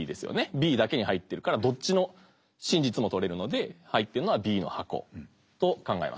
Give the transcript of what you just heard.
Ｂだけに入ってるからどっちの真実もとれるので入ってるのはＢの箱と考えました。